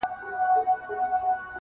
• تر بور به وي پښېمانه د پېړیو له بدیو -